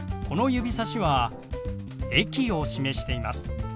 この指さしは駅を示しています。